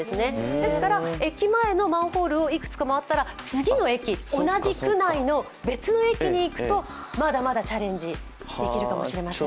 ですから、駅前のマンホールをいくつか回ったら次の駅、同じ区内の別の駅に行くとまだまだチャレンジできるかもしれません。